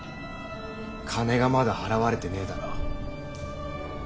金がまだ払われてねえだろ。